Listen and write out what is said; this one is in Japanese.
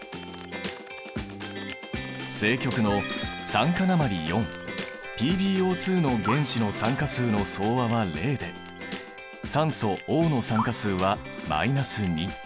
正極の酸化鉛ＰｂＯの原子の酸化数の総和は０で酸素Ｏの酸化数は−２。